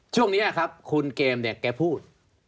ช่วงนี้ครับคุณเกมเนี่ยแกพูด